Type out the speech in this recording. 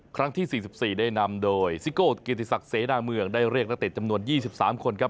ครั้งที่๔๔ได้นำโดยซิโก้เกียรติศักดิ์เสนาเมืองได้เรียกนักเตะจำนวน๒๓คนครับ